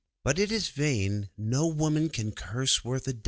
'_But it is vain, no woman can curse worth a daric.